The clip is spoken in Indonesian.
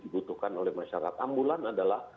dibutuhkan oleh masyarakat ambulan adalah